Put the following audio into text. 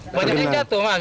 banyak yang jatuh mas